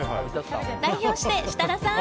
代表して、設楽さん！